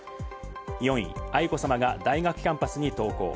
４位、愛子さまが大学キャンパスに登校。